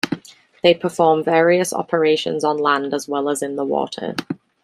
They perform various operations on land as well as in the water.